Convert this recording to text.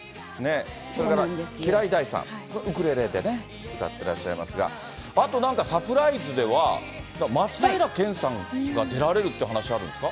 それから、平井大さん、ウクレレでね、歌ってらっしゃいますが、あとなんかサプライズでは、松平健さんが出られるって話あるんですか？